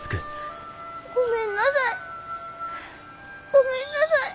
ごめんなさい。